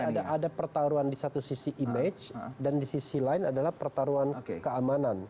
jadi ada pertaruhan di satu sisi image dan di sisi lain adalah pertaruhan keamanan